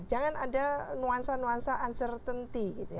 jangan ada nuansa nuansa uncertainty gitu ya